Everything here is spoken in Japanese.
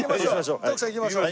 徳さん行きましょう。